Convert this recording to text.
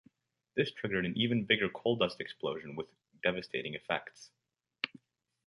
This triggered an even bigger coal dust explosion with devastating effects.